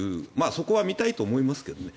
そこは見たいと思いますけどね。